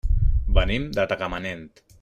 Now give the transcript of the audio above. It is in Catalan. Venim de Tagamanent.